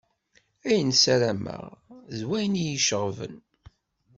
Ayen ssaramaɣ, d wayen i yi-iceɣben.